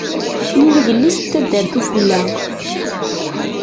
Yuɣ yelli-s n taddart ufella.